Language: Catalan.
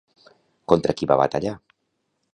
Contra qui va batallar?